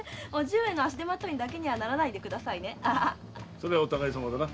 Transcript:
それはお互いさまだな。